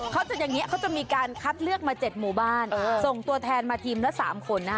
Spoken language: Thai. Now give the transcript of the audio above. จุดอย่างนี้เขาจะมีการคัดเลือกมา๗หมู่บ้านส่งตัวแทนมาทีมละ๓คนนะคะ